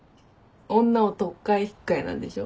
女を取っ換え引っ換えなんでしょ？